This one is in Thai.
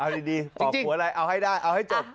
เอาดีตอบหัวอะไรเอาให้ได้เอาให้จบ